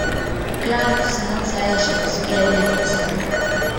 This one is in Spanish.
Cloud se lanza a ellos, y hay una explosión.